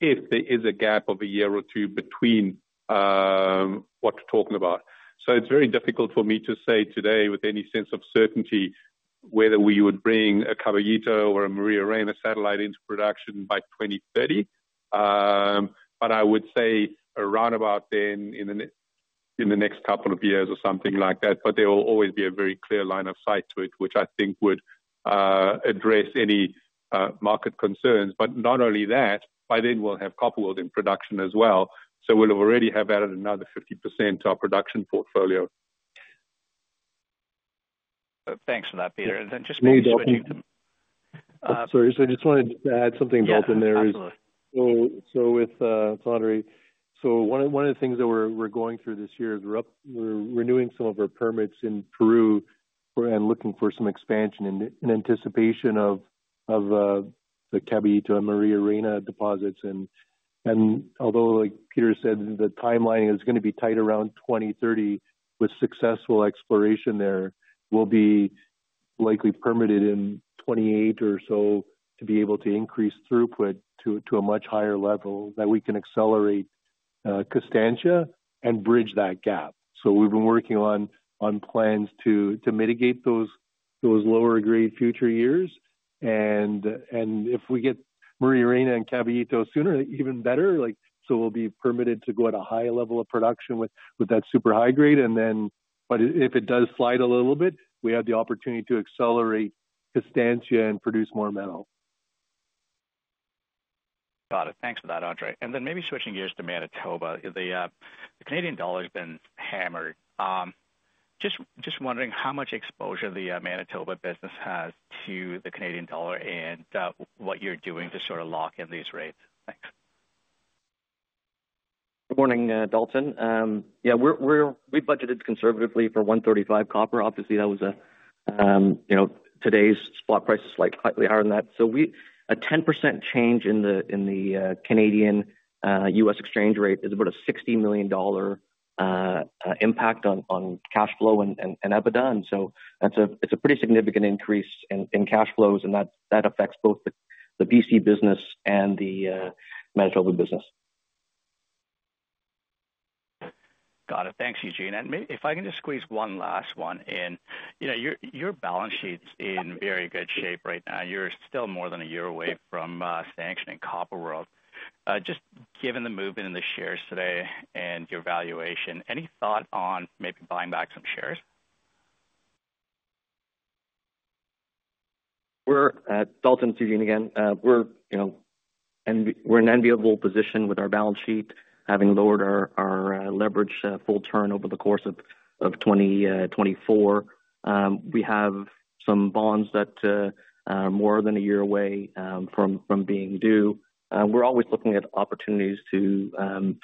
if there is a gap of a year or two between. What we're talking about. So it's very difficult for me to say today with any sense of certainty whether we would bring a Caballito or a Maria Reyna satellite into production by 2030. But I would say around about then in the next couple of years or something like that. But there will always be a very clear line of sight to it which I think would address any market concerns. But not only that, by then we'll have Copper World in production as well. So we'll already have added another 50% to our production portfolio. Thanks for that, Peter. So I just wanted to add something, Dalton. There is. So with. So one of the things that we're going through this year is we're renewing some of our permits in Peru and looking for some expansion in anticipation of the Caballito and Maria Reyna deposits. Although like Peter said, the timeline is going to be tight around 2030. With successful exploration there will be likely permitted in 2028 or so to be able to increase throughput to a much higher level that we can accelerate Constancia and bridge that gap. So we've been working on plans to mitigate those lower grade future years. And if we get Maria Reyna and Caballito sooner, even better. So we'll be permitted to go at a high level of production with that super high grade. But if it does slide a little bit, we have the opportunity to accelerate Constancia and produce more metal. Got it. Thanks for that, Andre. And then maybe switching gears to Manitoba. The Canadian dollar has been hammered. Just wondering how much exposure the Manitoba business has to the Canadian dollar and what you're doing to sort of lock in these rates. Thanks. Good morning, Dalton. Yeah, we're. We budgeted conservatively for 1.35 exchange rate copper. Obviously that was, you know, today's spot price is slightly higher than that. A 10% change in the Canadian U.S. exchange rate is about a $60 million. Impact on cash flow and EBITDA, and so it's a pretty significant increase in cash flows and that affects both the BC business and the Manitoba business. Got it. Thanks, Eugene. And if I can just squeeze one last one in, your balance sheet's in very good shape right now. You're still more than a year away from sanctioning Copper World. Just given the movement in the shares today and your valuation, any thought on maybe buying back some shares? We're with Dalton again. We're, you know, we're in an enviable position. With our balance sheet having lowered our leverage a full turn over the course of 2024, we have some bonds that are more than a year away from being due. We're always looking at opportunities to.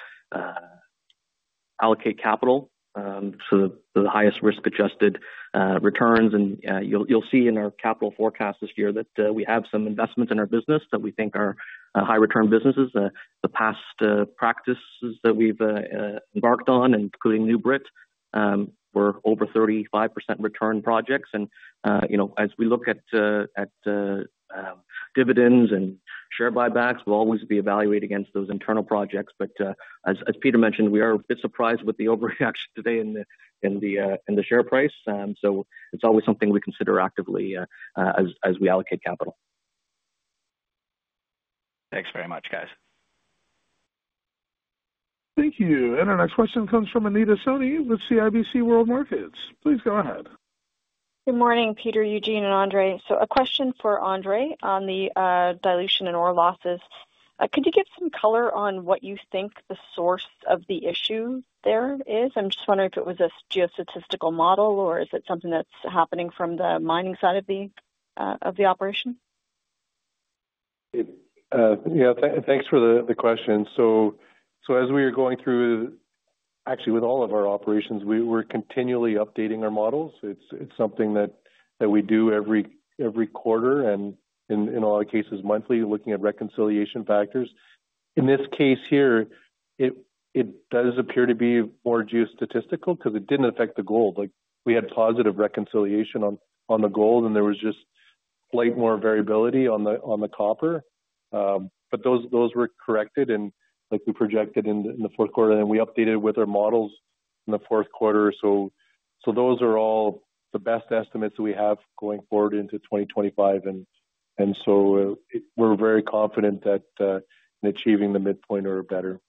Allocate capital, so the highest risk-adjusted returns, and you'll see in our capital forecast this year that we have some investments in our business that we think are high return businesses. The past practices that we've embarked on, including New Britannia, were over 35% return projects, and as we look at. Dividends and share buybacks, we'll always be evaluated against those internal projects. But as Peter mentioned, we are a bit surprised with the overreaction today in the share price. So it's always something we consider actively as we allocate capital. Thanks very much, guys. Thank you. Our next question comes from Anita Soni with CIBC World Markets. Please go ahead. Good morning, Peter, Eugene, and Andre. So a question for Andre on the dilution and ore losses. Could you give some color on what you think the source of the issue there is? I'm just wondering if it was a geostatistical model or is it something that's happening from the mining side of the operation? Yeah, thanks for the question. So as we are going through, actually with all of our operations, we're continually updating our models. It's something that we do every quarter and in all cases monthly. Looking at reconciliation factors, in this case here, it does appear to be more geostatistical because it didn't affect the gold. Like, we had positive reconciliation on the gold and there was just slight more variability on the copper. But those were corrected and like, we projected in the fourth quarter and we updated with our models in the fourth quarter. So. So those are all the best estimates that we have going forward into 2025. We're very confident that in achieving the midpoint or better.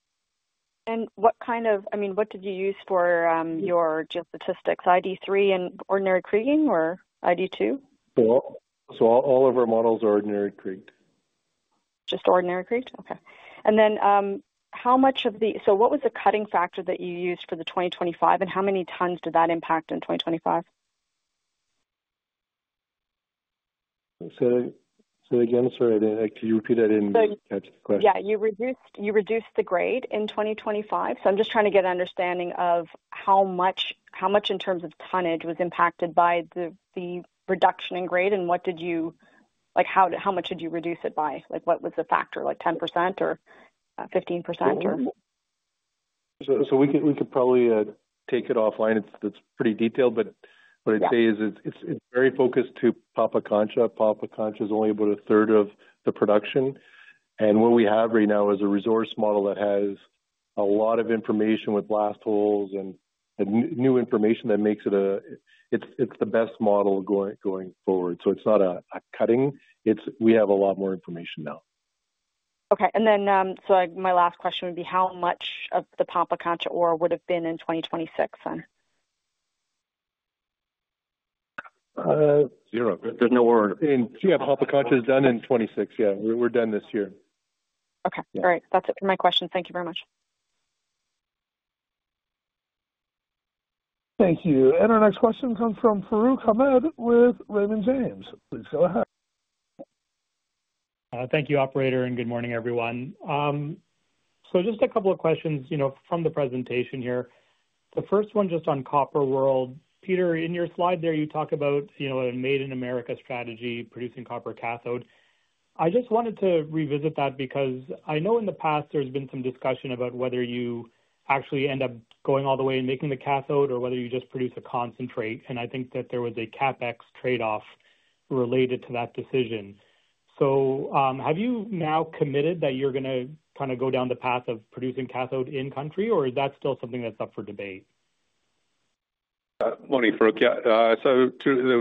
I mean, what did you use for your geostatistics? ID3 and Ordinary Kriging or ID2. All of our models are Ordinary Kriged. Just Ordinary Kriged. Okay, and then how much of the. So what was the cutting factor that you used for the 2025? And how many tons did that impact in 2025? Say that again. Sorry, can you repeat that in? Yeah, you reduced. You reduced the grade in 2025. So I'm just trying to get an understanding of how much. How much in terms of tonnage was impacted by the grade, the reduction in grade. And what did you, like, how, how much did you reduce it by, like, what was the factor? Like 10% or 15% or so? We could. We could probably take it offline. It's pretty detailed, but what I'd say is it's very focused to Pampacancha. Pampacancha is only about a third of the production, and what we have right now is a resource model that has a lot of information with blast holes and new information that makes it. It's the best model going forward, so it's not a cutting. It's. We have a lot more information now. My last question would be how much of the Pampacancha ore would have been in 2026 then? Zero. There's no. Our Pampacancha is done in 2026. Yeah, we're done this year. Okay. All right, that's it for my question. Thank you very much. Thank you. Our next question comes from Farooq Hamed with Raymond James, please. Go ahead. Thank you, operator. And good morning, everyone. So just a couple of questions, you know, from the presentation here, the first one just on Copper World. Peter, in your slide there, you talk about, you know, a Made in America strategy producing copper cathode. I just wanted to revisit that because I know in the past there's been some discussion about whether you actually end up going all the way and making the cathode or whether you just produce a concentrate. And I think that there was a CapEx trade off related to that decision. So have you now committed that you're going to kind of go down the path of producing cathode in country or is that still something that's up for debate? Morning, Farooq. So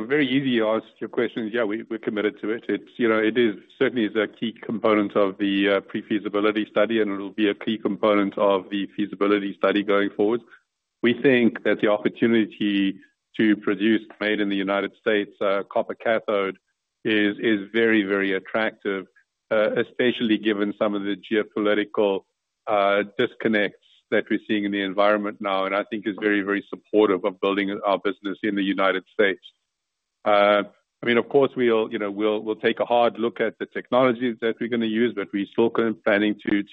very easy answer to your question. Yeah, we're committed to it. It's, you know, it is certainly a key component of pre-feasibility study and it will be a key component of the feasibility study going forward. We think that the opportunity to produce made in the United States copper cathode is, is very, very attractive, especially given some of the geopolitical disconnects that we're seeing in the environment now. And I think is very, very supportive of building our business in the United States. I mean of course we'll, you know, we'll, we'll take a hard look at the technologies that we're going to use but we still planning to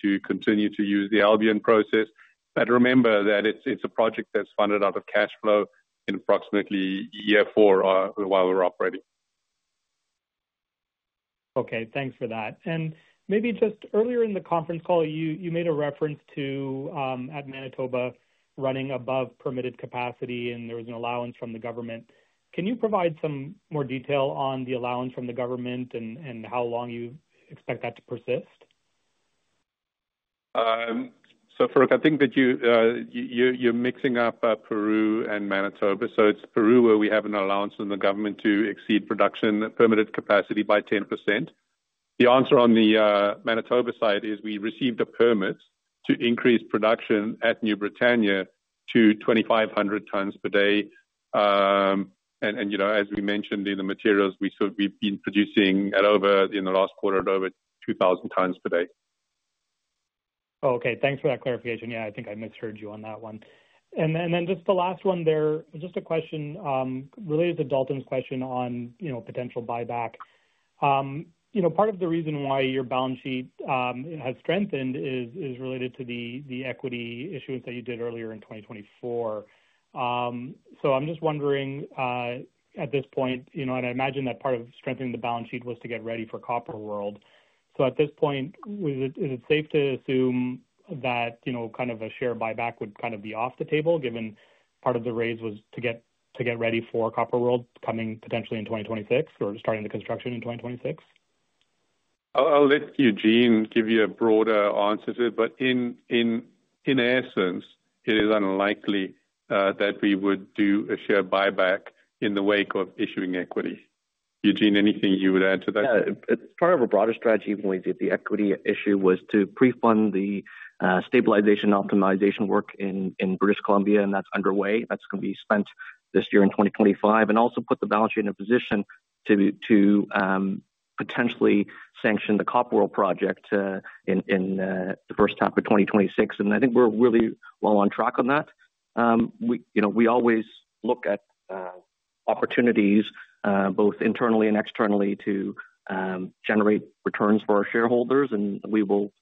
the Albion Process. But remember that it's a project that's funded out of cash flow in approximately year four while we're operating. Okay, thanks for that. Maybe just earlier in the conference call you made a reference to the Manitoba running above permitted capacity and there was an allowance from the government. Can you provide some more detail on the allowance from the government and how long you expect that to persist? So far I think that you're mixing up Peru and Manitoba. It's Peru where we have an allowance from the government to exceed production permitted capacity by 10%. The answer on the Manitoba side is we received a permit to increase production at New Britannia to 2,500 tonnes per day. And you know, as we mentioned in the materials we've been producing at over 22,000 tonnes per day in the last quarter. Okay, thanks for that clarification. Yeah, I think I misheard you on that one. And then just the last one there, just a question related to Dalton's question on, you know, potential buyback. You know, part of the reason why your balance sheet has strengthened is related to the equity issuance that you did earlier in 2024. So I'm just wondering at this point, you know, and I imagine that part of strengthening the balance sheet was to get ready for Copper World. So at this point is it safe to assume that, you know, kind of a share buyback would kind of be off the table given part of the raise was to get ready for Copper World coming potentially in 2026 or starting the construction in 2026. I'll let Eugene give you a broader answer to it, but in essence it is unlikely that we would do a share buyback in the wake of issuing equity. Eugene, anything you would add to that? It's part of a broader strategy. The equity issue was to prefund the stabilization optimization work in British Columbia and that's underway. That's going to be spent this year in 2025 and also put the balance sheet in a position to potentially sanction the copper project in the first half of 2026. And I think we're really well on track on that. You know, we always look at opportunities both internally and externally to generate returns for our shareholders. And we will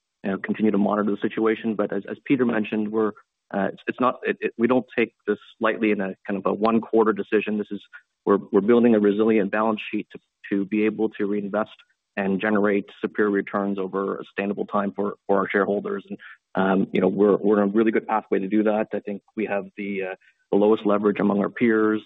continue to monitor the situation. But as Peter mentioned, we're, it's not, we don't take this lightly in a kind of a one quarter decision. This is, we're building a resilient balance sheet to be able to reinvest and generate superior returns over a sustainable time for our shareholders. And you know, we're on a really good pathway to do that. I think we have the lowest leverage among our peers.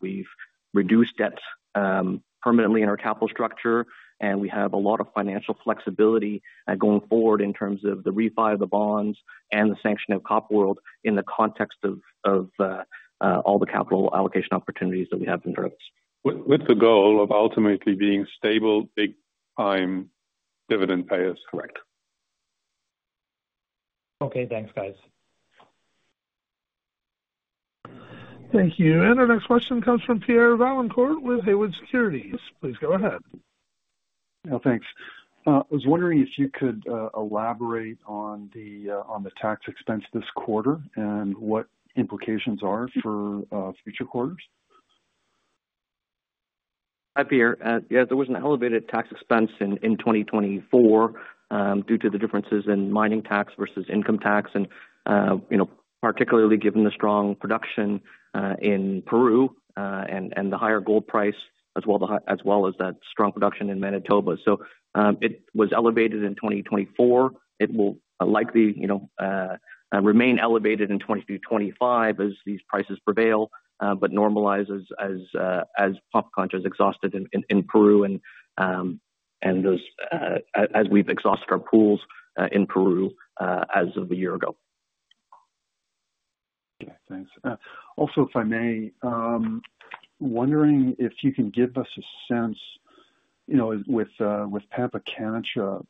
We've reduced debt permanently in our capital structure and we have a lot of financial flexibility going forward in terms of the refi of the bonds and the sanction of Copper World in the context of all the capital allocation opportunities that. We have in terms with the goal. Of ultimately being stable big dividend payers. Correct. Okay, thanks guys. Thank you. And our next question comes from Pierre Vaillancourt with Haywood Securities. Please go ahead. Thanks. I was wondering if you could elaborate on the tax expense this quarter and what implications are for future quarters? Hi Pierre. Yes, there was an elevated tax expense in 2024 due to the differences in mining tax versus income tax. And you know, particularly given the strong production in Peru and the higher gold price as well as that strong production in Manitoba. So it was elevated in 2024. It will likely remain elevated in 2025 as these prices prevail but normalizes as Pampacancha is exhausted in Peru. As we've exhausted our pools in Peru as of a year ago. Okay, thanks. Also, if I may, wondering if you can give us a sense, you know, with Pampacancha.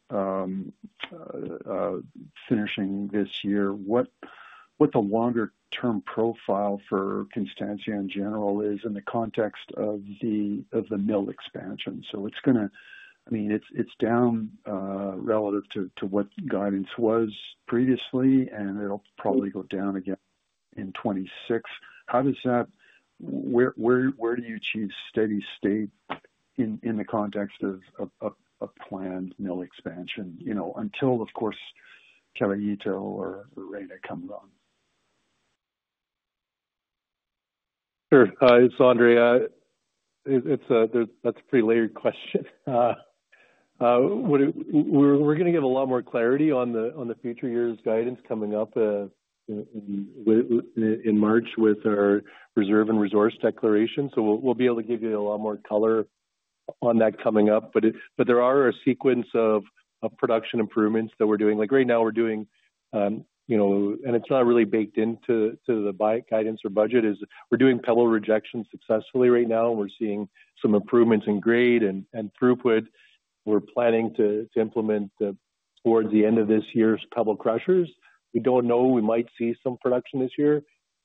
Finishing this year, the longer term profile for Constancia in general is in the context of the mill expansion. So it's going to, I mean it's down relative to what guidance was previously and it'll probably go down again in 2026. How does that? Where do you achieve steady state in the context of a planned mill expansion? You know, until of course, Caballito or Maria Reyna. Come on. Sure. It's Andre. It's a. That's a pretty layered question. We're going to give a lot more clarity on the future years guidance coming up. In March with our reserve and resource declaration. We'll be able to give you a lot more color on that coming up. There are a sequence of production improvements that we're doing like right now we're doing, you know, and it's not really baked into the guidance or budget. We're doing pebble rejection successfully right now. We're seeing some improvements in grade and throughput. We're planning to implement towards the end of this year pebble crushers. We don't know. We might see some production this year,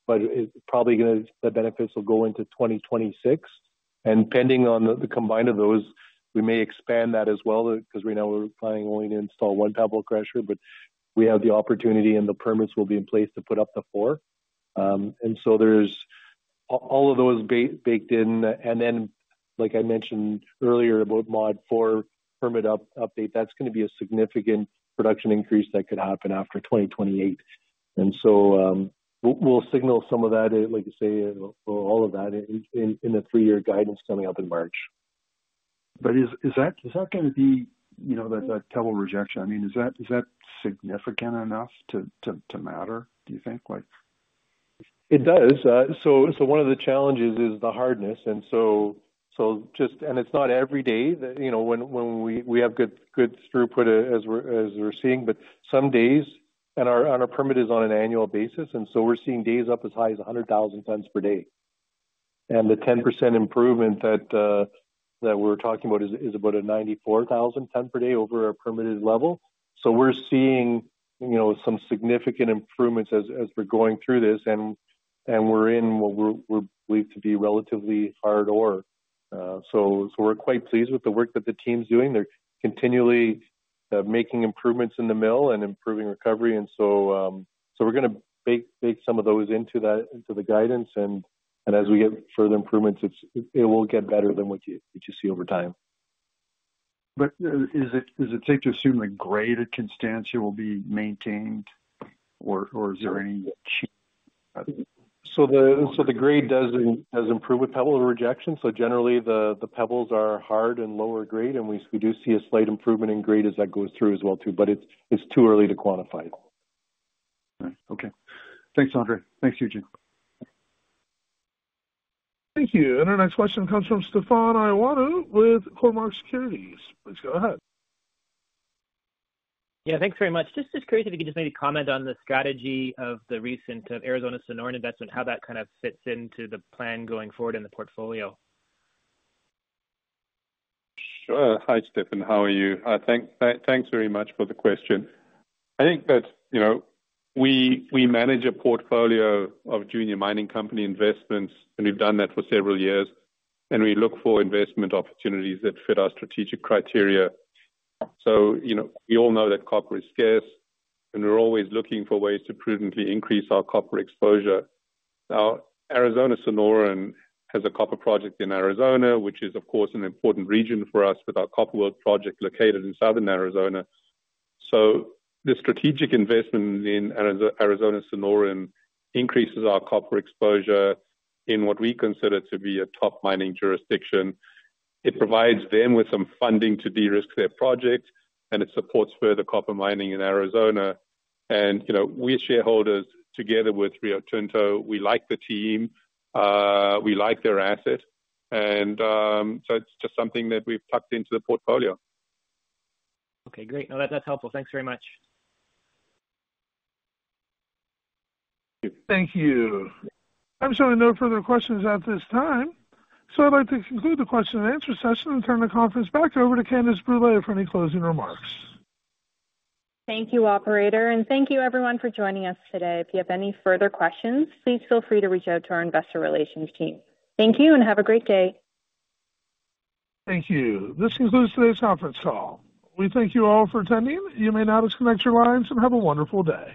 but it's probably going to. The benefits will go into 2026 and depending on the combined of those, we may expand that as well. Because right now we're planning only to install one pebble crusher but we have the opportunity and the permits will be. In place to put up the four. And so there's all of those baked in. And then, like I mentioned earlier about Mod 4 permit update, that's going to be a significant production increase that could happen after 2028. And so we'll signal some of that, like you say, all of that in. The three-year guidance coming up in March. But is that going to be, you know, that pebble rejection? I mean, is that significant enough to matter? Do you think like it does? One of the challenges is the hardness. It's not every day that, you know, when we have good throughput as we're seeing, but some days, and our permit is on an annual basis, and so we're seeing days up as high as 100,000 tons per day. The 10% improvement that we're talking about is about a 94,000 ton per day over a permitted level. We're seeing, you know, some significant improvements as we're going through this, and we're in what we believe to be relatively hard ore. We're quite pleased with the work that the team's doing. They're continually making improvements in the mill and improving recovery. We're going to bake some of those into the guidance, and as we get further improvements, it will get better than what you see over time. But is it safe to assume the grade at Constancia will be maintained or is there any? The grade does improve with pebble rejection. Generally the pebbles are hard and lower grade. We do see a slight improvement in grade as that goes through as well, too, but it's too early to quantify it. Okay, thanks, Andre. Thanks, Eugene. Thank you. Our next question comes from Stefan Ioannou with Cormark Securities. Please go ahead. Yeah, thanks very much. Just curious if you could just maybe? Comment on the strategy of the recent. Arizona Sonoran investment, how that kind of fits into the plan going forward in the portfolio? Hi, Stefan. How are you? Thanks very much for the question. I think that, you know, we manage a portfolio of junior mining company investments, and we've done that for several years, and we look for investment opportunities that fit our strategic criteria. So, you know, we all know that copper is scarce, and we're always looking for ways to prudently increase our copper exposure. Now, Arizona Sonoran has a copper project in Arizona, which is, of course, an important region for us with our Copper World project located in Southern Arizona. So the strategic investment in Arizona Sonoran increases our copper exposure in what we consider to be a top mining jurisdiction. It provides them with some funding to de-risk their project, and it supports further copper mining in Arizona. You know, we as shareholders together with Rio Tinto, we like the team, we like their asset. It's just something that we've tucked into the portfolio. Okay, great. That's helpful. Thanks very much. Thank you. I'm showing no further questions at this time, so I'd like to conclude the question and answer session and turn the conference back over to Candace Brûlé for any closing remarks. Thank you, operator. And thank you everyone for joining us today. If you have any further questions, please feel free to reach out to our investor relations team. Thank you and have a great day. Thank you. This concludes today's conference call. We thank you all for attending. You may now disconnect your lines and have a wonderful day.